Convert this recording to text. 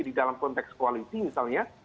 di dalam konteks koalisi misalnya